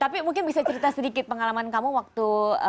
tapi mungkin bisa cerita sedikit pengalaman kamu waktu